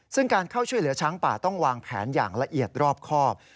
ซึ่งการเข้าช่วยเหลือช้างป่าต้องวางแผนอย่างละเอียดรอบครอบ